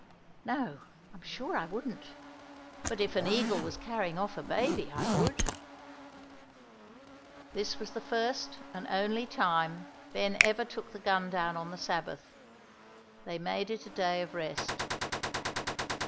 "No, I'm sure I wouldn't; but if an eagle was carrying off a baby, I would." This was the first and only time Ben ever took the gun down on the Sabbath. They made it a day of rest.